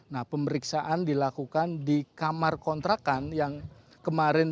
nah pemeriksaan dilakukan di kamar kontrakan yang kemarin